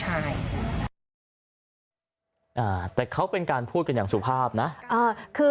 อ่าแต่เค้าเป็นการพูดกันอย่างสุภาพนะอ่า